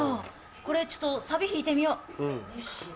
これちょっとサビ弾いてみようよし。